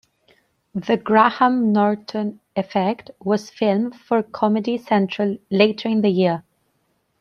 "The Graham Norton Effect" was filmed for Comedy Central later in the year.